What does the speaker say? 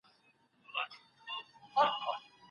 د احمد شاه ابدالي واکمنۍ کي د پیسو نوم څه و؟